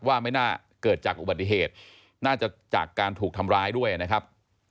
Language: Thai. ว่าไม่น่าเกิดจากอุบัติเหตุน่าจะจากการถูกทำร้ายด้วยนะครับ